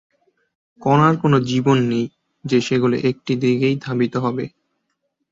কণার কোনো জীবন নেই যে সেগুলো একটি দিকেই ধাবিত হবে।